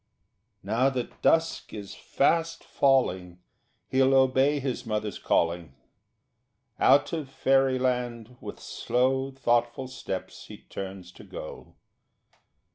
Now that dusk is fast falling He'll obey his mother's calling. Out of Fairyland with slow Thoughtful steps he turns to go.